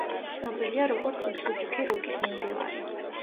ცნობილია როგორც მსუბუქი როკის მიმდევარი.